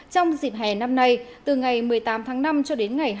trong dịp hè năm nay từ ngày một mươi tám tháng năm cho đến ngày hai mươi